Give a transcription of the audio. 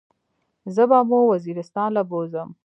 زه به مو وزيرستان له بوزم.